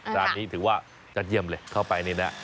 ร้านนี้ถือว่ายอดเยี่ยมเลยเข้าไปนี่นะ